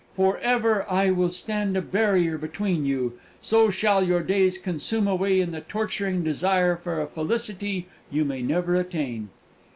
For ever, I will stand a barrier between you: so shall your days consume away in the torturing desire for a felicity you may never attain!"